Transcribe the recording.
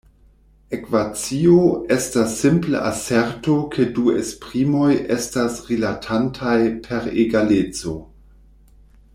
Ekvacio estas simple aserto ke du esprimoj estas rilatantaj per egaleco.